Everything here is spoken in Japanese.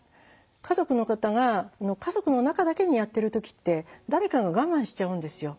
家族の方が家族の中だけにやってる時って誰かが我慢しちゃうんですよ。